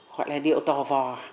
hoặc là điệu tò vò